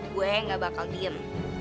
gue gak bakal diem